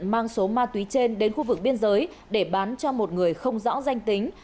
mang số ma túy trên đến khu vực biên giới để bán cho một người không rõ danh tính